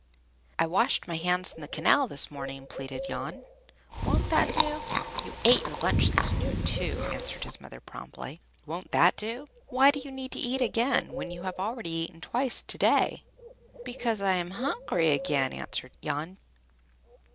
"I washed my hands in the canal this morning," pleaded Jan. "Won't that do?" "You ate your lunch this noon, too," answered his mother promptly. "Won't that do? Why do you need to eat again when you have already eaten twice today?" "Because I am hungry again," answered Jan.